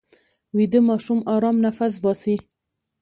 ویده ماشوم ارام نفس باسي